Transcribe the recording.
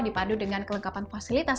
dipadu dengan kelengkapan fasilitas